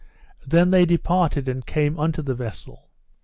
Then they departed, and came unto the vessel.